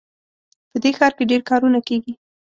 په دې ښار کې ډېر کارونه کیږي